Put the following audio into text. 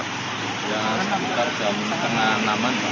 ya sekitar jam setengah nama